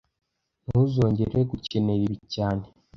Ntuzongera gukenera ibi cyane